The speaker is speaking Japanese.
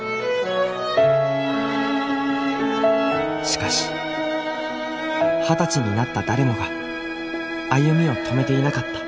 しかし二十歳になった誰もが歩みを止めていなかった。